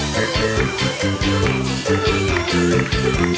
เพลงที่จะเปลี่ยนมาเลย